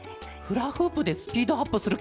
フラフープでスピードアップするケロね。